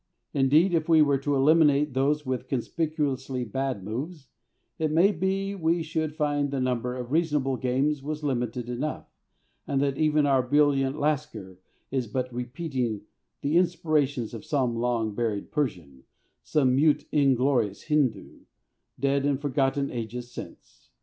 Indeed, if we were to eliminate those with conspicuously bad moves, it may be we should find the number of reasonable games was limited enough, and that even our brilliant Lasker is but repeating the inspirations of some long buried Persian, some mute inglorious Hindoo, dead and forgotten ages since.